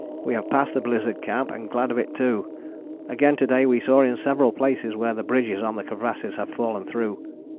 We have passed the Blizzard Camp and glad of it too, again to day we saw in several places where the bridges on the crevasses had fallen through.